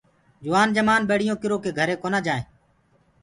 جوآن جمآن ٻڙيونٚ ڪِرو ڪي گھري ڪونآ جآئينٚ۔